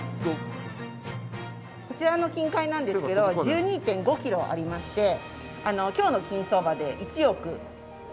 こちらの金塊なんですけど１２．５キロありまして今日の金相場で１億９００万。